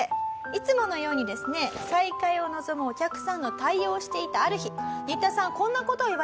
いつものようにですね再開を望むお客さんの対応をしていたある日ニッタさんこんな事を言われました。